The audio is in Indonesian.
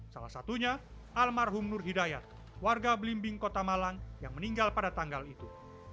salah satunya almarhum nur hidayat warga belimbing kota malang yang meninggal pada tanggal itu